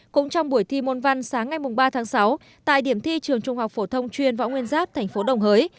cũng trong buổi thi môn văn sáng ngày ba tháng sáu tại điểm thi trường trung học phổ thông chuyên võ nguyên giáp thành phố đồng hới